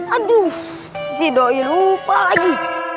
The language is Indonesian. aduh zidoir lupa lagi